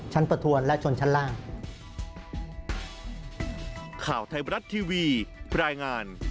ชั้นประทวดและชนชั้นล่าง